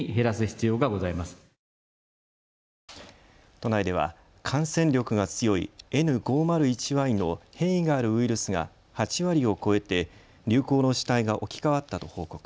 都内では感染力が強いＮ５０１Ｙの変異があるウイルスが８割を超えて、流行の主体が置き換わったと報告。